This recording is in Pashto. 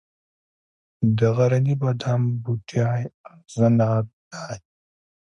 د غرني بادام بوټی اغزنه دی